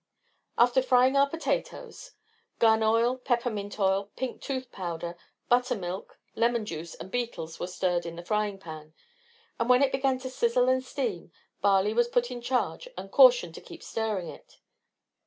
After frying our potatoes, gun oil, peppermint oil, pink tooth powder, butter milk, lemon juice, and beetles were stirred in the frying pan, and when it began to sizzle and steam, Barley was put in charge and cautioned to keep stirring it.